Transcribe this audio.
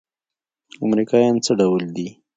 امريکايان څه ډول دي؟